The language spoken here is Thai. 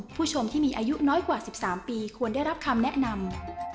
ผู้ชมที่มีอายุน้อยกว่า๑๓ปีควรได้รับคำแนะนำ